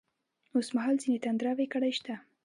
اوس مـهال ځــينې تـنـدروې کـړۍ شـتـه.